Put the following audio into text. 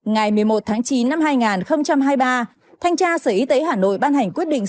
ngày một mươi một tháng chín năm hai nghìn hai mươi ba thanh tra sở y tế hà nội ban hành quyết định